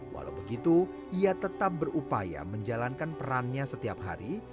walau begitu ia tetap berupaya menjalankan perannya setiap hari